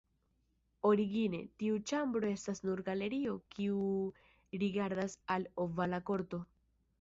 Origine, tiu ĉambro estas nur galerio kiu rigardas al Ovala Korto.